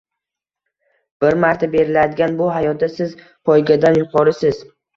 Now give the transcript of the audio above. Bir marta beriladigan bu hayotda siz poygadan yuqorisiz